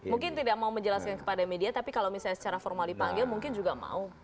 mungkin tidak mau menjelaskan kepada media tapi kalau misalnya secara formal dipanggil mungkin juga mau